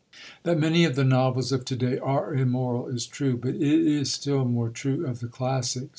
That many of the novels of to day are immoral is true, but it is still more true of the classics.